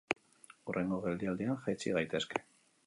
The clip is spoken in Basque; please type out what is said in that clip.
Hurrengo geldialdian jaitsi gaitezke.